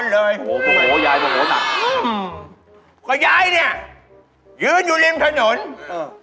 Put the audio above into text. เฮ้ยเด็กสมัยที่มันไม่รู้อย่างนี้